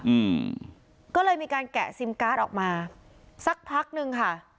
อืมก็เลยมีการแกะซิมการ์ดออกมาสักพักหนึ่งค่ะ